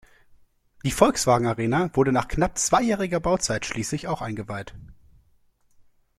Die Volkswagen-Arena wurde nach knapp zweijähriger Bauzeit schließlich auch eingeweiht.